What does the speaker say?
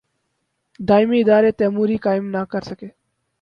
دائمی ادارے تیموری قائم نہ کر سکے۔